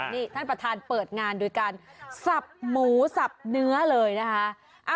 นี่ท่านประธานเปิดงานโดยการสับหมูสับเนื้อเลยนะคะ